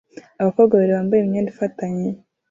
Abakobwa babiri bambaye imyenda ifatanye